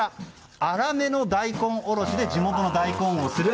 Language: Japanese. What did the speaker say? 粗めの大根おろしで地元の大根をする。